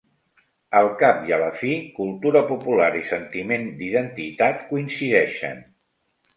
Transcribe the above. Al cap i a la fi, cultura popular i sentiment d’identitat coincideixen.